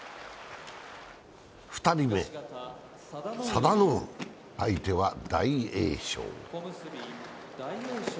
２人目、佐田の海、相手は大栄翔。